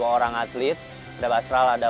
dua orang atlet ada basral ada